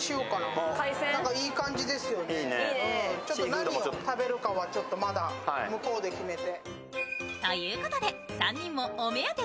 何を食べるかは、まだ向こうで決めて。